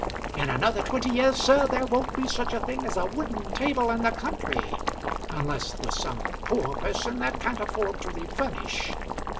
In another twenty years, sir, there won't be such a thing as a wooden table in the country, unless with some poor person that can't afford to refurnish.